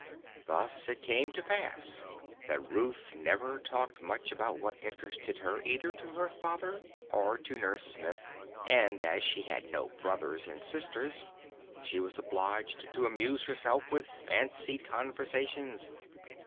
Thus it came to pass that Ruth never talked much about what interested her either to her father or to Nurse Smith, and as she had no brothers and sisters she was obliged to amuse herself with fancied conversations.